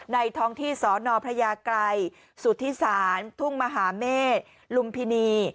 ในท้องที่สอนอพระยากรรย์สุทธิศาสตร์ทุ่งมหาเมธลุมพินี